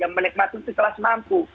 yang menikmati itu kelas mampu